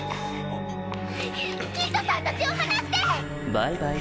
バイバイ。